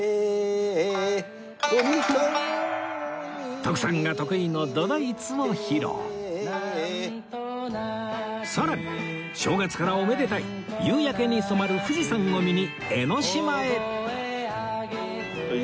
徳さんが得意のさらに正月からおめでたい夕焼けに染まる富士山を見に江の島へ